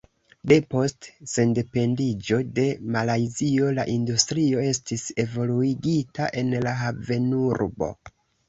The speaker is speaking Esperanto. Depost sendependiĝo de Malajzio la industrio estis evoluigita en la havenurbo.